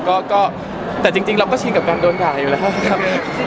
ก็แต่จริงเราก็ชินกับการโดนด่าอยู่แล้วครับ